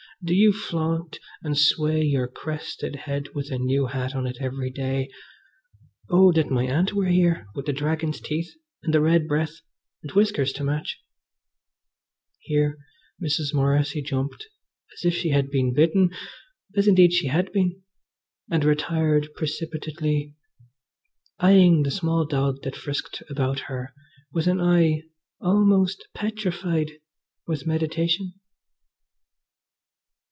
Do you flaunt and sway your crested head with a new hat on it every day? Oh, that my Aunt were here, with the dragon's teeth, and the red breath, and whiskers to match! Here Mrs. Morrissy jumped as if she had been bitten (as indeed she had been) and retired precipitately, eyeing the small dog that frisked about her with an eye almost petrified with meditation.